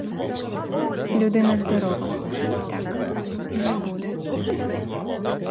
Людина здорова, — так, не буде.